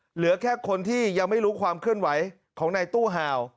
เหลือแค่คนที่ยังไม่รู้ความเคลื่อนไหวของในตู้ห่าว